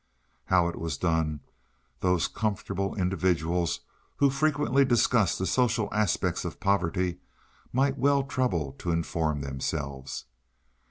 How it was done, those comfortable individuals, who frequently discuss the social aspects of poverty, might well trouble to inform themselves.